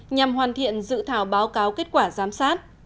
nhằm hoàn thiện dự thảo báo cáo kết quả giám sát